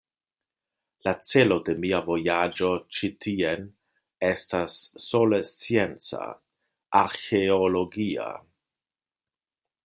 La celo de mia vojaĝo ĉi tien estas sole scienca, arĥeologia.